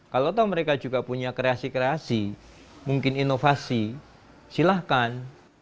kalau tahu mereka juga punya kreasi kreasi mungkin inovasi silahkan